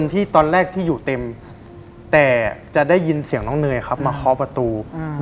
ที่ตอนแรกที่อยู่เต็มแต่จะได้ยินเสียงน้องเนยครับมาเคาะประตู